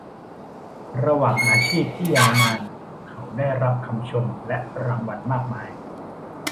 ระหว่างอาชีพที่ยาวนานเขาได้รับคำชมและรางวัลมากมาย